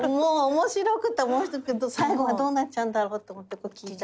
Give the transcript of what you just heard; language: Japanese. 面白くて面白くて最後はどうなっちゃうんだろうと思って聞いたりとか。